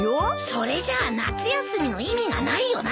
それじゃ夏休みの意味がないよな。